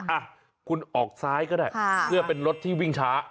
อ่ะคุณออกซ้ายก็ได้เพื่อเป็นรถที่วิ่งช้า